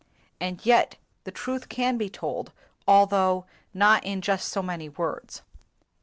And yet the truth can be told, although not in just so many words.